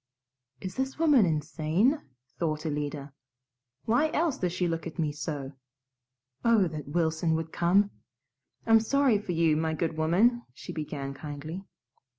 "Is this woman insane?" thought Alida. "Why else does she look at me so? Oh, that Wilson would come! I'm sorry for you, my good woman," she began kindly.